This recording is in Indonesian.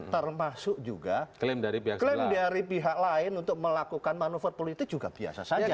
termasuk juga klaim dari pihak lain untuk melakukan manuver politik juga biasa saja